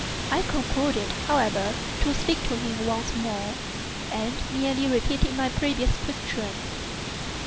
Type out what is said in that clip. I concluded, however, to speak to him once more, and merely repeated my previous question.